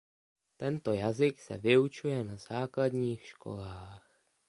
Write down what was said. Tento jazyk se vyučuje na základních školách.